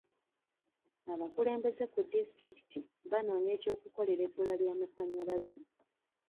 Abakulembeze ku disitulikiti banoonya eky'okukolera ebbula ly'amasannyalaze.